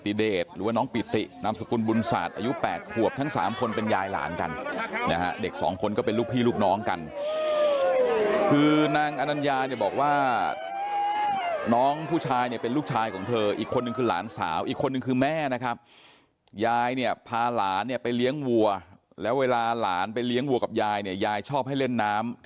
มีน้องที่เสียชีวิตนะฮะที่คุณแม่ตะโกนเรียกอยู่นะฮะที่คุณแม่ตะโกนเรียกอยู่นะฮะที่คุณแม่ตะโกนเรียกอยู่นะฮะที่คุณแม่ตะโกนเรียกอยู่นะฮะที่คุณแม่ตะโกนเรียกอยู่นะฮะที่คุณแม่ตะโกนเรียกอยู่นะฮะที่คุณแม่ตะโกนเรียกอยู่นะฮะที่คุณแม่ตะโกนเรียกอยู่นะฮะที่คุณแม่ต